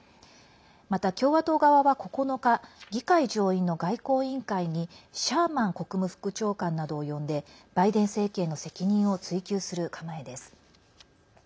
また、共和党側は９日議会上院の外交委員会にシャーマン国務副長官などを呼んでバイデン政権の責任を追及する構えです。